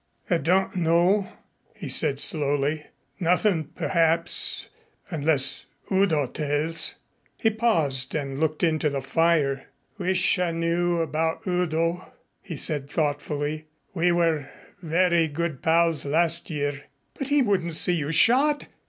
"I don't know," he said slowly. "Nothin' perhaps, unless Udo tells." He paused and looked into the fire. "Wish I knew about Udo," he said thoughtfully. "We were very good pals last year." "But he wouldn't see you shot!"